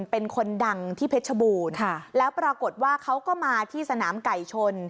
เป็นคนดังที่เพชรบูรณ์แล้วปรากฏว่าเขาก็มาที่สนามไก่ชน